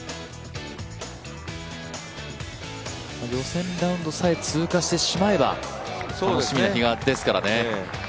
予選ラウンドさえ通過してしまえば、楽しみな比嘉ですからね。